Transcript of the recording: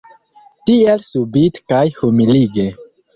Tiel subite kaj humilige.